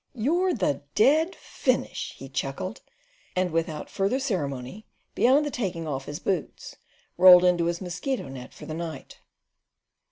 "You're the dead finish!" he chuckled, and without further ceremony, beyond the taking off his boots, rolled into his mosquito net for the night.